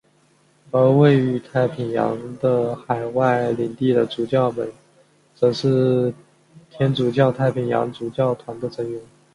而位于太平洋的海外领地的主教们则是天主教太平洋主教团的成员。